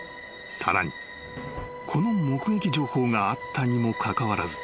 ［さらにこの目撃情報があったにもかかわらず］